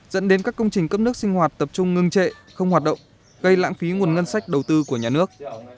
dẫn đến các công trình cấp nước sinh hoạt tập trung ngưng trệ không hoạt động gây lãng phí nguồn ngân sách đầu tư của nhà nước